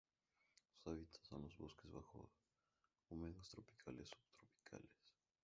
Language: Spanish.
Su hábitat son los bosques bajos húmedos tropicales subtropicales.